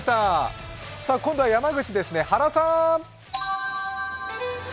今度は山口ですね、原さーん。